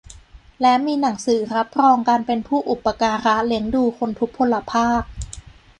และมีหนังสือรับรองการเป็นผู้อุปการะเลี้ยงดูคนทุพพลภาพ